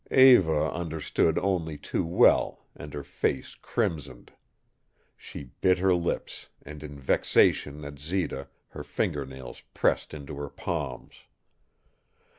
Eva understood only too well, and her face crimsoned. She bit her lips, and in vexation at Zita her finger nails pressed into her palms.